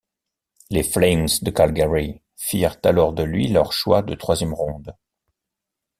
Les Flames de Calgary firent alors de lui leurs choix de troisième ronde.